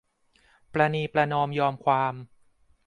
ประนีประนอมยอมความ